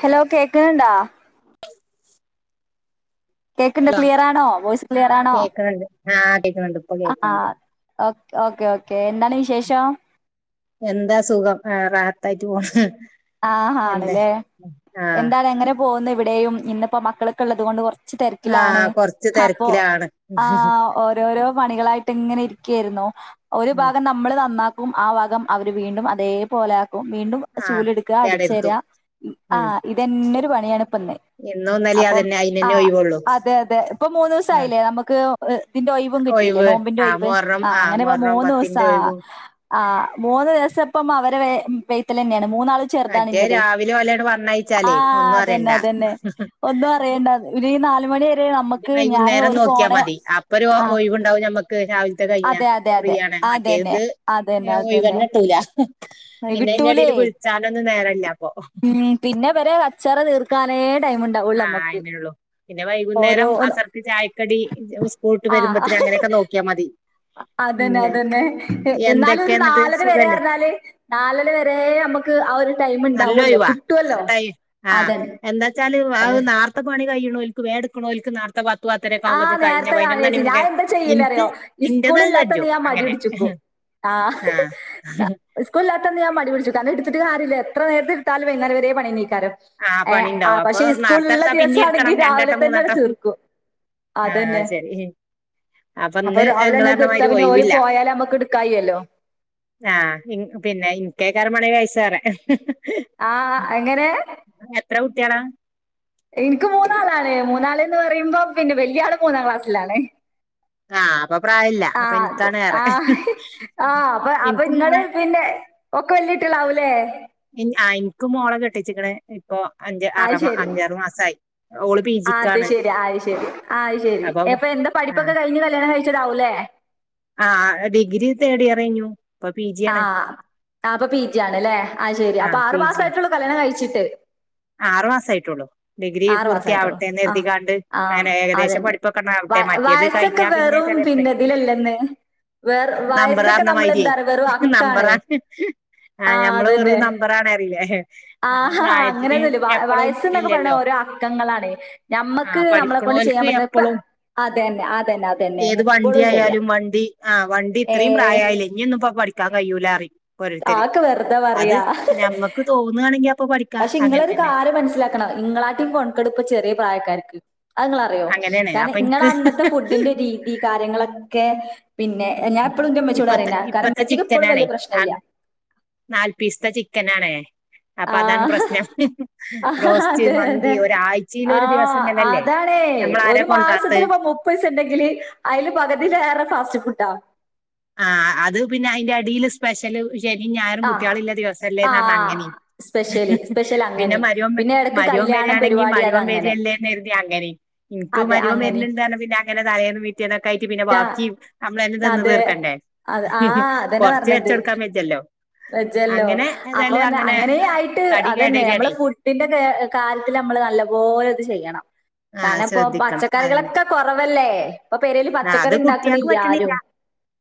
Hello കേക്ക്ന്‌ണ്ടൊ കേക്കിണ്ട് hello ക്ലിയറാണോ വോയ്സ് ആഹ് ക്ലിയറാണോ കേക്കണണ്ട് ആഹ് കേക്കണണ്ട് ഇപ്പൊ അ കേക്കണണ്ട് ആ ഓക്കെ ഓക്കേ എന്താണ് വിശേഷം എന്താ സുഖം ആ റാഹത്തായിട്ട് പോണ് ആ എന്തേ ആണല്ലേ ആഹ് എന്താല എങ്ങനെ പോകുന്നു ഇവിടെയും ഇന്നിപ്പോ മക്കൾക്കെ ഉള്ളത് കൊണ്ട് കുറച്ച് ച്ച് തിരക്കിലാണ് ആഹ് കൊറച്ച് അപ്പൊ തെരക്കിലാണ് ആ ഓരോരോ പണികളായിട്ട് ഇങ്ങനെ ഇരിക്കായിരുന്നു ഒരു ഭാഗം നമ്മള് നന്നാക്ക ക്കും ആ ഭാഗം അവര് വീണ്ടും അതേപോലെ ആക്കും വീണ്ടും ആഹ് ചൂലെടു അടിച്ചേര കേടരുത്തു ആ ഉം ഇതെന്നെരു പണിയാണ്പ്പന്ന് ഇന്നും ഇന്നലേം അപ്പം അതന്നെ ആ അയിനന്നെ ഒഴിവുള്ളൂ അതെ അതെ ഇപ്പൊ മൂന്ന് ആഹ് ദിവസയില്ലേ നമുക്ക് ഇതിന്റെ ഒഴിവും കിട്ടി ല്ലേ ഒഴിവ് നോമ്പിന്റെ ആഹ് ഒയിവ് മുഹറം ആഹ് അങ്ങനെപ്പോ മുഹറം മൂന്ന് ദിവസം പത്തിന്റെ ആ ഒഴിവും ആ മൂന്ന് ദിവസപ്പം അവരെ പെയ്ത്തൽ തന്നെയാണ് മൂന്ന ചെറുതാണ് മറ്റേ എന്റേത് രാവിലെ ഓലെയാണ്ട് ആ പറഞ്ഞയച്ചാലേ ഒന്നും അത് തന്നെ അറിയണ്ട അത് തന്നെ ഒന്നും അറിയണ്ട പിന്നെ ഈ നാ അ വൈകുന്നേരം നോക്കിയാ മതി അപ്പൊ ഒരു ആ ഒഴവുണ്ടാവും മ്മക്ക് രാവിലത്തെ കഴിഞ്ഞ അതെ അതെ ഫ്രീ അതെ ആണ് മറ്റേ അതന്നെ ഇത് അതന്നെ അതന്നെ ഒഴിവ്അന്നട്ടൂല പിന്നെ ഇതിന്റെ കിട്ടൂലേ ഇടേൽ വിളിച്ചാലൊന്നും നേരല്ല അപ്പൊ ഉം പിന്നെ വരെ കച്ചറ തീർക്കാനേ ടൈം ഉണ്ടാവുള്ളൂ ആ നമ്മക്ക് അയിനെയ ഉള്ളൂ പിന്നെ ഓരോ വൈകുന്നേരം അസർക്ക് ചായക്കടി സ്കൂള്ട്ട് വരുമ്പോത്തന് അങ്ങനെ നോക്കിയൽ മതി ആ അതന്നെ പിന്നെ അതന്നെ എന്നാല് എന്തൊക്കെ ഒരു എന്നിട്ട് നാലര വരെ സുഖല്ലേ പറഞ്ഞാല് നാലര വരെ നമ്മുക്ക് ഒരു ടൈം നല്ല ഉണ്ടാവല്ലോ ഒഴിവാ കിട്ടുവല്ലോ അതന്നെ അതെ പറഞ്ഞാൽ നേരത്തെ പണികഴിയണോക്ക് വേഗം എടുക്കണോത്ത ആ നേരത്തെ കാഞ്ഞ ചേച്ചി ഞാൻ എന്താ ചെയ്യില ഇൻക്ക് അറിയോ ഈ സ്കൂള ഇന്റത് അത് ഇല്ലാത്തണ്ട് കജ്ജും ഞാൻ മടി അങ്ങനെ പിടിച്ച് ഇരിക്കും ആ ആഹ് സ്കൂൽ ഇല്ലാത്തോണ്ട് ഞാൻ മടി പിടിച്ചു നി കന്നെ എടുത്തിട്ട് കാര്യല്ല എത്ര നേരത്തെ ഇട്ടാലും വൈകുന്നേരം വരെ പണി തന്നെ അരിക്കും ആഹ് ഏ പണിണ്ടാവും അപ്പൊ പക്ഷെ ഈ സ്കൂള്ള്ള നാർത്തെടുത്താ ദിവസ പിന്നിം ആണെങ്കിൽ രാവിലെ തന്നെ അത് തീർക്കും ആ ആ അതന്നെ ശരി അപ്പൊ ഇന്ന് രാവിലെ ഇങ്ങള് തന്നെ തീർത്താ പറഞ്ഞമാതിരി പിന ഓര് പോയാല നമ്മക്ക് എടുക്കായില്ലോ ആ പിന്നെ ഇനി കേക്കര പണി കയച്ചറെ ആ എങ്ങനെ എത്ര കുട്ടികളാ അ മൂന്നാള് എന്ന് പറയുമ്പം പിന്നെ വല്യയാള് മൂന്നാം ക്ലാസ്സിലാണേ ആഹ് അപ്പൊ പ്രായല്ല ആ അപ്പൊ അതെ എനിക്കാണ് ഏറെ ആ ആ അപ്പൊ അപ്പൊ എനിക്ക് നിങ്ങള് മോളെ പിന്നെ ഒക്കെ വല്ലിട്ടികളാവൂലെ ആ എനിക്ക് മോള കെട്ടിച്ചിക്കണ് ഇപ്പ അഞ്ച് അത് അറ ശരി അഞ്ചാറ് മാസയി ഓള് ആ പീജിക്കാണ് അപ്പൊ എപ്പൊ എന്ത പഠിപ്പൊക്കെ കഴിഞ്ഞ് കല്യാണം കഴിച്ചതാവൂലേ ആ ഡിഗ്രി തേർഡ് ഇയർ കഴിഞ്ഞു ഇപ്പൊ പി ജി ആ ആണ് ആ അപ്പൊ പിജി ആണ്ല്ലേ ആ ശെരി അപ്പൊ ആഹ് ആറു പി മാസ ജി ആയിട്ടുള്ളൂ കല്യാണം കഴിച്ചിട്ട് ആറു മാസയിട്ടൊള്ളു ഡിഗ്രി ആറു മാസായിട്ടുള്ളൂ ആഹ് പൂർത്തിയാവട്ടേന്നെര്തിങ്ങാണ്ട് ആഹ് ങ്ങനെ ഏകദേശം അതന്നെ പഠിപ്പൊക്കൊന്നാവട്ടെ മറ്റേത് കഴിഞ്ഞാ പിന്നെ ഉം ചിലപ്പളെ പിന്നെ ഇതിലില്ലന്ന് വേറ് വയസ്സൊക്കെ നമ്പറാറഞ്ഞ നമ്മളെന്ത മാതിരിയേ വേറും ഹക്കാണ് നമ്പറാ ആഹ് ഞമ്മള് വെറും നമ്പറാണറീലെ ആഹ് ഹ ഹ ങ്ങനെന്നുല്ല വയസ്സ് ന്നൊക്കെ ഇതില്ലല്ലോ പറയ ഓരോ അക്കങ്ങളാണ് ഞമ്മക്ക് ആഹ് ഞമ്മളെക്കൊണ്ട് ചെയ്യാ പഠിക്കണോൽക്ക് പറ്റ്ന്നത് ഇപ്പ എപ്പളും അതെന്നെ അതെന്നെ അതെന്നെ ഏത് വണ്ടി എപ്പഴും ചെയ്യ ആയാലും വണ്ടി ഏഹ് ക്കാൻ കയ്യൂലറിം ഓരോരുത്തര് അതൊക്കെ വെറുതെ അത് പറയാ. ഞമ്മക്ക് തോന്ന്യാണെങ്കി അപ്പൊ പഠിക്ക പക്ഷെ ഇങ്ങളൊരു കാര്യം മനസ്സിലാക്ക്ണം ഇങ്ങളാട്ടിം കൊൺക്കെടാ ഇപ്പ ചെറിയ പ്രായക്കാർക്ക് അത്ങ്ങളറിയൊ അങ്ങനെയാണ് കാരണം അപ്പൊ ഇങ്ങളെ എനിക്ക് അന്നത്തെ ഫുഡിന്റെ രീതി കാര്യങ്ങളൊക്കെ പിന്നെ ഞാൻപ്പളും ഇന്റമ്മച്ചോട് ഇപ്പത്തെ റയും കാരണ മ്മച്ചിക്ക് ഇപ്പളും വല്യ പ്രശ്നംല്ല നാല്പീസ്ത്തെ ചിക്കനാണ് ആ അപ്പൊ അതാണ് പ്രസ്നം ആ ബ്റോസ്റ്റ് അതെ അതെ. മന്തി ഒരാഴ്ചീല് ആ ഒര് ദിവസം ഇങ്ങനല്ലെ അതാണേ ഒരു മാസത്തില് ഇപ മുപ്പതീസണ്ടെങ്കില് അയില് പകുതിലേറെ ഫാസ്റ്റ് ഫുഡ്ഡ ട്ടാ ആഹ് അത് പിന്ന അയിന്റെ എടേല് സ്പെഷ്യല് ശനി ആ. ആ സ്പെഷ്യല് സ്പെഷ്യൽ അങ്ങനെ. മരോം പിന്നെ എടക്ക് കല്യാണം വര്ണാങ്കി പരിപാടി മരോം അതങ്ങനെ. വര്യല്ലെന്നെരുതി അങ്ങനീം. ഇൻക് അതെ മരോം അങ്ങനെ. വര്ണ് ണ്ടറഞ പിന്നങ്ങനെ തലേന്നും പി ക്കായിട്ട് പിന്നെ ര ബാക്കി നമ്മ്ളെന്നെ തിന്ന് തീ അതെ. കണ്ടെ അത് ആ കൊറച്ച് വെച്ചൊടുക്കാൻ വെജ്ജല്ലൊ വെജ്ജല്ലൊ അപ്പൊന്ന് അങ്ങനേ ആയിട്ട് തടി അതന്നെ ഞമ്മള് കേടരാണേ ഫുഡിന്റെ കാല്യത്തില് ഞമ്മ മ്മള് നല്ല പോലെ ചെയ്യും ആഹ് ശ്രദ്ധിക്കണം അയന്നെ കൊറവല്ലേ? ഇപ്പൊ പെരേല് ആഹ് പച്ചക്കറി അത് കുട്ടേക്ക് ഇണ്ടാക്കണില്ല പറ്റ്ണില്ല ആരും.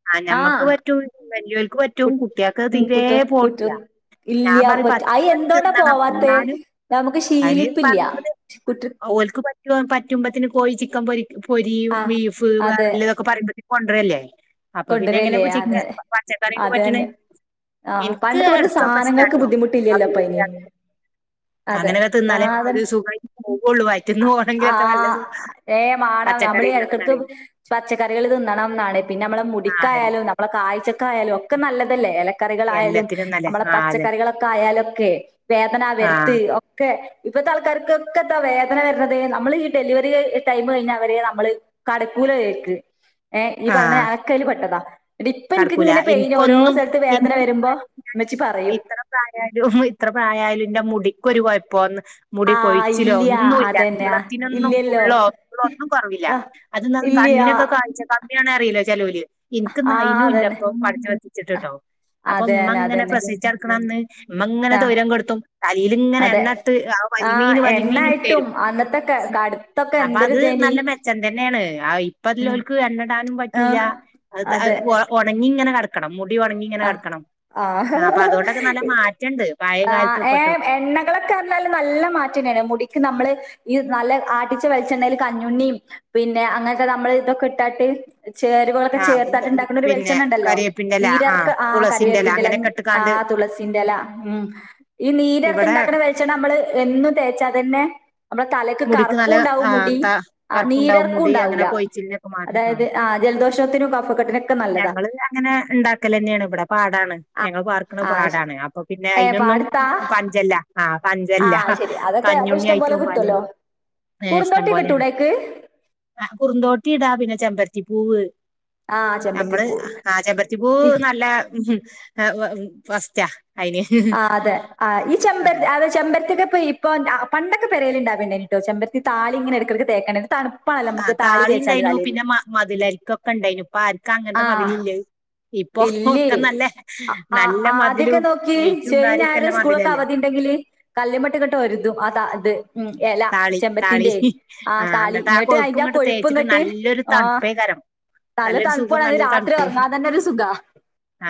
ആഹ് ഞമ്മക്ക് പറ്റും വല്യോല്ക്ക് പറ്റും കുട്ടീക്കത് ഉം തീരേ കുട്ട കുട്ട പോണില്ല ഞാൻ ഇല്ല്യ പറയും പറ്റ് അത് പച്ചക്കറി എന്തോണ്ടാ തിന്നണം പോവാത്തെ? ഇന്നാലും നമുക്ക് അയിന് ശീലിപ്പില്ല്യ. പറഞ്ഞ് കുട്ടൃ ഓല്ക്ക് പറ്റുമ്പത്തിന് കോഴി ചിക്കം പൊരി പൊരി ആഹ് ബീഫ് അതെ വേറെല്ലതൊക്കെ പറയ്മ്പത്തിന് കൊണ്ട്രല്ലെ അപ്പൊ പിന്നെ എങ്ങനെ കൊണ്ടരല്ലേ പ്ച്ചിക്ക അതെ പച്ചക്കറിയൊക്കെ പറ്റ്ണെ അതന്നെ. ആഹ് എന്ക്ക് പണ്ടത്തെ പോലത്തെ എട്കൊക്കെ സാനങ്ങൾക്ക് ഇഷ്ട്ടാട്ടൊ അ ബുദ്ധിമുട്ടില്ലല്ലോ ഇപ്പയിന്. അതെ അങ്ങനൊകെ തിന്നാലെ സാധന ഒര് സുഖായി പോവൊള്ളൂ വയറ്റിന്ന് പോണെങ്കിലൊക്കെ നല്ല സുഖ പച്ച നമ്മളീ എടക്കെടക്ക് പച്ചക്കറികള് തിന്നണംന്നാണ് പിന്നെ ഞമ്മളെ ആ അതന്നെ മുടിക്കായാലും നമ്മള കാഴ്ചക്കായാലും ഒക്കെ നല്ലതല്ലെ എല കറികളായാലും എല്ലാത്തിനും നല്ലേ നമ്മളെ ആ അതന്നെ പച്ചക്കറികളൊക്കായാലൊക്കെ വേദന ആ വര്ത്ത് ഒക്കെ ഇപ്പത്തെ ആൾക്കാർകൊക്കെത്താ വേദന വര്ണത് നമ്മളീ ഡെലിവറി ടൈം കഴിഞ്ഞ അവര് നമ്മള് കടകൂ കേക്ക് ഏഹ് ഈ ആ പറീണഞാനൊക്കയില് പെട്ടതാ ടി കടക്കൂല ഇപ്പന്ക്കിങ്ങനെ പെയിന് ഓരോ ഇൻക്കൊന്നും സ്ഥലത്ത് വേദന വരുമ്പൊ ഇൻക്ക് ഇത്ര പ്രായാലും ഇത്ര പ്രായയാലും ഇന്റെ മുടിക്കൊരു ക്കൊഴപ്പൊന്ന് മുടി ആ കൊഴിച്ചിലൊ ഇല്ല്യ ഒന്നുല്ല അതന്നെ നീളത്തിനൊന്നും ഇല്ലല്ലോ ഉള്ളോ ഒന്നും കൊറവില്ല ആ അത് ന്ന കണ്ണിനൊക്കെ ഇല്ല്യ കാഴ്ച്ച കമ്യാണ് അറീലെ ചെലോല് ഇന്ൺക്ക് നൈനും ഇല്ലപ്പം പഠിച്ച വത്തിച്ചിട്ടിട്ടോ അതേന്നെ അതെന്നെ പ്രസവിച്ചട്ക്ക്ണന്ന് ഇമ്മങ്ങനെ തൊയ്രം കെടുത്തും തലീലിങ്ങനെ അതെ എണ്ണട്ട് ആഹ് വലിണീനീന് വലീണീന് എണ്ണായിട്ടും ട്ടേരും അന്നത്തെ ക കടുത്തൊക്കെ അപത് എന്തൊരിതേനി നല്ല മെച്ചം തന്നേണ് ഉം പ്പള്ളോല്ക് എണ്ണ ണ്ടാനും പറ്റൂല ആഹ് അതെ അവ് ഒണങ്ങിങ്ങനെ നടക്കണം മുടി ഒണങ്ങിങ്ങനെ ആഹ് നടക്കണം പഴയ ആഹ് കാലത്തും ഏഹ് ഇപ്പത്തൊക്കെ എണ്ണകളൊക്കേറഞാല് നല്ല മാറ്റണ്ടീന് മുടിക്ക് ഞമ്മള് ഈ നല്ല ആട്ടിച്ച വെളിച്ചെണ്ണേല് കഞ്ഞുണ്ണീം പിന്നെ അങ്ങൻത്തെ നമ്മൾതൊക്കെ ഇട്ടാട്ട് ചേരുവകളൊക്കെ ആ ഉം, ചേർത്താട്ട് ഇണ്ടാക്ക്ണൊരു പിന്നെ വെളിച്ചെണ്ണ ഇണ്ടല്ലൊ കരിയേപ്പിന്റെല നീരെറ ആ തുളസിന്റെല കറിവേപ്പിന്റെല അങ്ങനെയൊക്കെ ഇട്ടുകാണ്ട് ആഹ് തുളസിന്റെല ഉം ഈ ഇവിടെ നീരറ്ത്ത്ണ്ടാക്ക്ണ വെളിച്ചെണ്ണമ്മള് നമ്മള് എന്നും തേച്ചാ തന്നെ നമ്മളെ തലക്ക് മുടിക്ക് കറുപ്പും നല്ല ഉണ്ടാവും ആഹ് മുടി ത്ത ആ കറുപ്പ്ണ്ടാവും നീരർക്കും മുടി അങ്ങ്നെ ഉണ്ടാവൂല കൊഴിച്ചില്നൊക്കെ മാറ്റം ആ അതായത് ജലദോഷത്തിനും കഫക്കെട്ടിനൊക്കെ നല്ലതാ ഞങ്ങള് അങ്ങനെ ണ്ടാക്കലെന്നേണ് ഇവിടെ പാടാണ് ഞങ്ങൾ പാർക്കുന്ന ആ പാടാണ് അപ്പൊ പിന്നെ ഏ അതിനൊന്നും പാടത്താ പഞ്ചല്ല ആ ആ കഞ്ചല്ല ശരി അതൊക്കെ അപ്പൊ കഞ്ഞുണ്ണി ഇഷ്ടം ആയിട്ട് പോലെ പോമ്പാല കിട്ടുവല്ലോ ഇഷ്ടം കുറുന്തോട്ടി പോലെയ കിട്ടൂടേക്ക് ആ കുറുന്തോട്ടി ഇടാ പിന്നെ ചെമ്പരത്തിപ്പൂവ്. ആ നമ്മള് ചെമ്പരത്തിപ്പൂ ആ ചമ്പത്തിപ്പൂവ് ഈ- നല്ല [inaudible] ഫസ്റ്റാ അയിന് ആ അതെ ആ ഈ ആ ചെമ്പര അതെ ചെമ്പരത്തിക്കെ ഇപ്പ ഇപ്പൊ പണ്ടൊക്കെരയിലൽ ഉണ്ടാവേണ്ടായിട്ടോ ചെമ്പത്തി താളി ഇങ്ങനെടുക്കക്ക തേക്കണ്ട തണ ആ താളി ഉണ്ടായിനു പിന്നെ മ മതിലരിക്കൊക്കെ ഇണ്ടായിനു ഇപ്പൊ ആർക്കും അങ്ങനത്തെ ആ മതില ഇില്ലേ ഇപ്പൊ ഇല്ലേ ഒക്കെ നല്ല ആ- ആ- നല്ല മതിലും ആദ്യമൊക്കെ നെയറ്റും കാര്യൊക്കെല്ല മതിലല്ലേ കല്മട്ട കട്ട വതും അത അത്. ഉം എല താളി താളി ചെമ്പരത്തിന്റെ ആ താളി എന്നിട്ട് ആ ഇങ്ങോട്ട് അയിന്റെ കൊഴുപ്പ് തേച്ചിട്ട് ഇങ്ങട്ട് നല്ലൊരു ആ തണുപ്പേകരം തല നല്ലൊരു തണുപ്പണ സുഖം അത് രാത്രി ഉറങ്ങാ തന്നെ ഒരു സുഖ.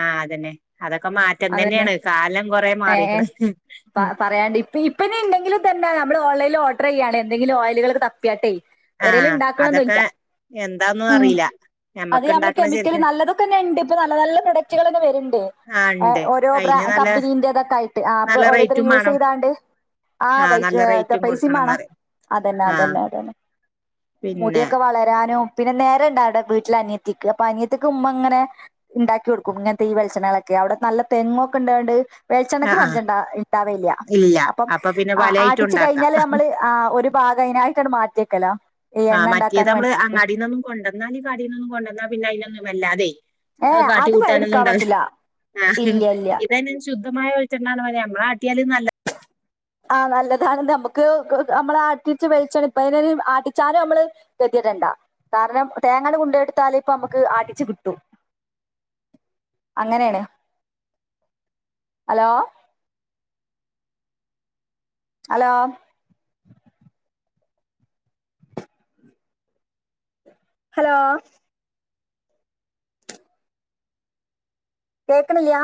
ആഹ അതന്നെ അതൊക്കെ മാറ്റം തന്നെയാണ് കാലം കൊറെ മാറിക്കണ്. ഇപ്പന്നെന്തെങ്കില തന്നെ നമ്മൾ ഓൺലൈനിൽ ഓർഡർ ചെയ്യയാണ് എന്തെങ്കിലും ഓയിലുകൾ തപ്പിയാട്ടെ ആ പെരയിൽ ഇണ്ടാക്കണന്നുംല്ല. അതൊക്കെ എന്താന്നും ഉം അറിയില്ല അത് ഞമ്മക്ക് നമ്മള് ഇണ്ടാക്കണ കെമിക്കല് ശരിക്കും നല്ലതൊക്കെന്ന ഉണ്ട്. നല്ല നല്ല പ്രൊഡക്റ്റുകളൊക്കെ വരുണ്ട്. ആ ഇണ്ട് ഓരോ ബ്രാ അയിന് നല്ല കമ്പനീന്റെതൊക്കെ ആയിട്ട് ആ അപ്പൊ നല്ല ഓരോരുത്തര് റേറ്റും യൂസ് വേണം ചെയ്താണ്ട്. ആഹ ആ വൈ നല്ല റേറ്റും പൈസയും കൊടുക്കണംന്ന് വേണം. പറയും അതന്നെ ആ അതന്നെ അതന്നെ. പിന്നെ മുടിയൊക്കെ വളരാനോ. പിന്നെ നേര ഉണ്ടാവില്ല അവിടെ വീട്ടിൽ അനിയത്തിക്ക് അപ്പൊ അനിയത്തിക്ക് ഉമ്മ അങ്ങനെ ഉണ്ടാക്കി കൊടുക്കും ഇങ്ങനത്തെ ഈ വെളിച്ചെണ്ണകളൊക്കെ അവിടെ നല്ല തെങ്ങൊക്കെ ഇണ്ടാണ്ട് ആ വേളിച്ചെണ്ണക്ക് ആ മഞ്ച ഉണ്ട ഉണ്ടാവേയില്ല. ഇല്ല അപ്പം അപ്പൊ പിന്നെ ആ പലയായിട്ടും ആട്ടിച്ചു ഉണ്ടാക്കാം കഴിഞ്ഞാല് നമ്മള് ആ ഒരു ഭാഗം അനായിട്ടാണ് മാറ്റിയേക്കലോ. ആ മറ്റേത് നമ്മള് അങ്ങാടിന്നൊന്നും കൊണ്ടന്നാല് കാടടിയിന്നൊന്നും കൊണ്ടുവന്നാൽ പിന്നെ അതിനൊന്നും വല്ലാതെ ഏ കാട്ടി അത് കൂട്ടാനൊന്നും എടുക്കാൻ ഉണ്ടാകില്ല പറ്റില്ല ആ ഇല്ല ഇല്ല ഇതായി ശുദ്ധ മായ ഒഴിച്ചെണ്ടും മതി നമ്മളെ ആട്ടിയാലും നല്ല ആഹ നല്ലതാണ് നമ്മുക്ക് നമ്മള ആട്ടിട്ട് വെളിച്ചെണ്ണ ഇപ്പ അതിന് ആട്ടിച്ചാലും നമ്മള് ഇടണ്ട കാരണം തേങ്ങ കൊണ്ട എടുത്തൽ ഇപ്പ നമുക്ക് ആടിച്ചു കിട്ടും. അങ്ങനെയാണ് ഹലോ ഹലോ ഹലോ കേക്കണില്ലിയാ